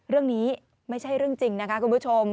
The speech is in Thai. เรื่องนี้ไม่ใช่เรื่องจริงนะคะคุณผู้ชม